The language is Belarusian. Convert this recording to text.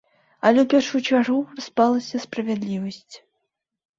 Але ў першую чаргу распалася справядлівасць.